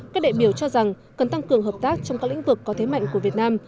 các đại biểu cho rằng cần tăng cường hợp tác trong các lĩnh vực có thế mạnh của việt nam